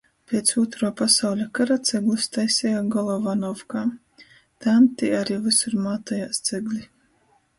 Piec Ūtruo pasauļa kara ceglus taiseja Golovanovkā. Tān tī ari vysur mātojās cegli.